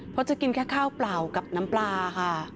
เพราะจะกินแค่ข้าวเปล่ากับน้ำปลาค่ะ